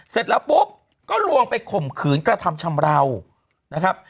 เสร็จแล้วปุ๊บก็ลวงไปข่มขืนกระทำชำราวนะครับ